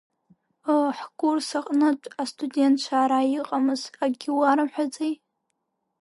Ыы, ҳкурс аҟнытә астудентцәа ара иҟамыз, акгьы уарымҳәаӡеи?